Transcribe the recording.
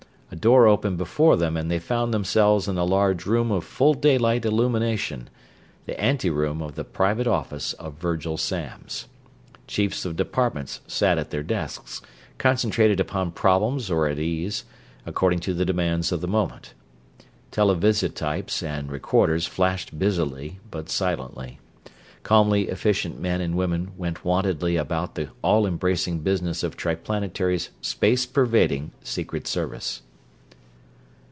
A door opened before them and they found themselves in a large room of full daylight illumination; the anteroom of the private office of Virgil Samms. Chiefs of Departments sat at their desks, concentrated upon problems or at ease, according to the demands of the moment; televisotypes and recorders flashed busily but silently; calmly efficient men and women went wontedly about the all embracing business of Triplanetary's space pervading Secret Service.